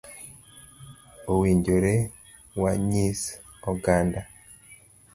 Owinjore wanyis oganda